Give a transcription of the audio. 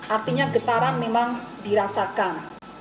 artinya getaran memang dirasakan